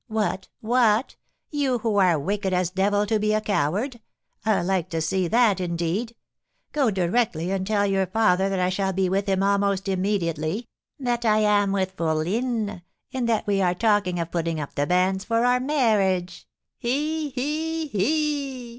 "What! What! You who are as wicked as devil to be a coward? I like to see that, indeed! Go directly, and tell your father that I shall be with him almost immediately; that I am with fourline; and that we are talking of putting up the banns for our marriage. He, he, he!"